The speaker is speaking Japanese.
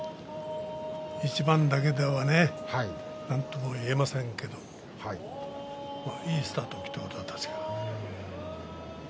一番だけではなんとも言えませんけどまあ、いいスタートを切ったことは確かだね。